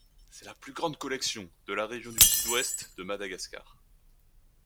C’est la plus grande collection de la région du sud-ouest de Madagascar.